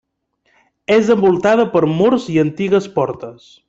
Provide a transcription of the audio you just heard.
És envoltada per murs i antigues portes.